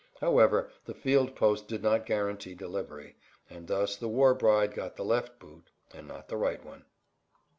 However, the field post did not guarantee delivery; and thus the war bride got the left boot, and not the right one.